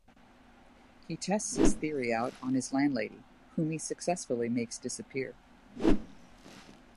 He tests his theory out on his landlady, whom he successfully makes disappear.